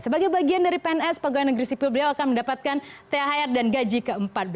sebagai bagian dari pns pns beliau akan mendapatkan thr dan gaji ke empat belas